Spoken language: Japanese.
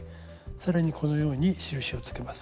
更にこのように印をつけます。